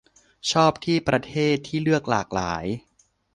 ชอบที่ประเทศที่เลือกหลากหลาย